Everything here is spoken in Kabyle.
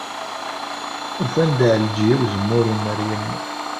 Ufant-d Ɛelǧiya n Uzemmur Umeryem.